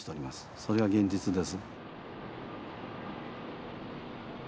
それが現実です